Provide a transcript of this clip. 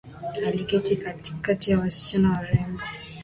Aliketi katikati ya wasichana warembo